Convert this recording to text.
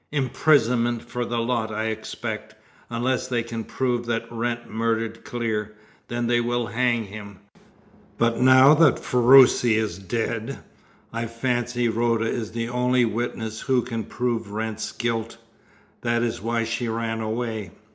"Imprisonment for the lot, I expect, unless they can prove that Wrent murdered Clear; then they will hang him. But now that Ferruci is dead, I fancy Rhoda is the only witness who can prove Wrent's guilt. That is why she ran away.